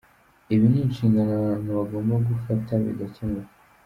Ibi ni inshingano abantu bagomba gufata bigakemuka.